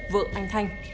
vợ anh thanh